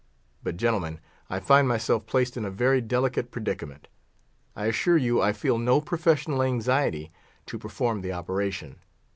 But, gentlemen, I find myself placed in a very delicate predicament. I assure you I feel no professional anxiety to perform the operation.